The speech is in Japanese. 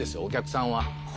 お客さんは。